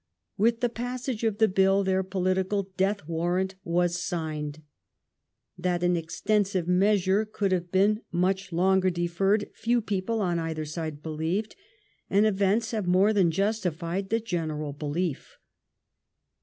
With the passage of the Bill their political death wan ant was sig ned. That an "extensive measure" could have been much longer defen ed few people on either side believed, and events have more than justified the general belief.